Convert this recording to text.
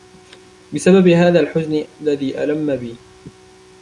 بسبب هذا الحزن الذي ألمَّ بي